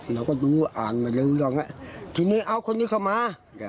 เราก็ดูอ่านมาเร็วแล้วทีนี้เอาคนนี้เข้ามา